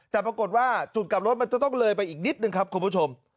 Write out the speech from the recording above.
แต่ปรากฏว่าจุดกลับรถมันจะต้องเลยไปอีกนิดนึงครับคุณผู้ชม